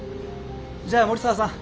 じゃあ森澤さん